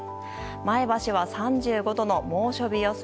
前橋は３５度の猛暑日予想。